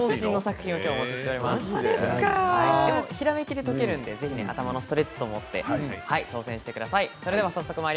ひらめきで解けるので頭のストレッチだと思って挑戦してください。